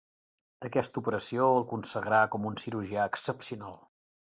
Aquesta operació el consagrà com un cirurgià excepcional.